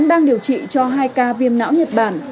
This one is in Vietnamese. đang điều trị cho hai ca viêm não nhật bản